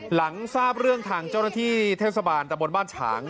หลังทราบเรื่องทางเจ้าหน้าที่เทศบาลตะบนบ้านฉาง